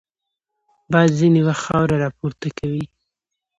باد ځینې وخت خاوره راپورته کوي